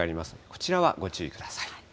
こちらはご注意ください。